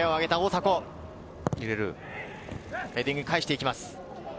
ヘディングで返していきます。